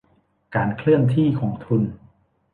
การเคลื่อนที่ของทุน